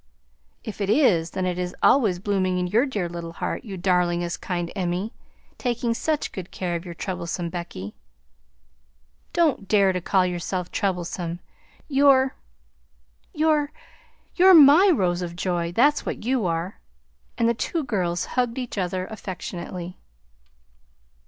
"If it is, then it is always blooming in your dear little heart, you darlingest, kind Emmie, taking such good care of your troublesome Becky!" "Don't dare to call yourself troublesome! You're you're you're my rose of joy, that's what you are!" And the two girls hugged each other affectionately.